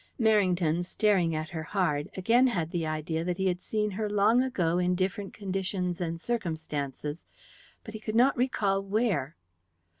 Merrington, staring at her hard, again had the idea that he had seen her long ago in different conditions and circumstances, but he could not recall where.